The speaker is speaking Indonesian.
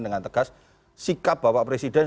dengan tegas sikap bapak presiden